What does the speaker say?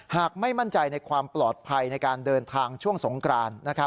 ไม่มั่นใจในความปลอดภัยในการเดินทางช่วงสงกราน